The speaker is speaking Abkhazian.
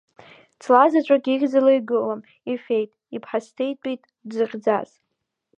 Ҵла заҵәык ихьӡала игылам, ифеит, иԥхасҭеитәит дзыхьӡаз.